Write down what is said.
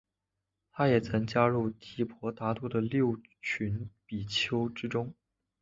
他也曾加入提婆达多的六群比丘之中。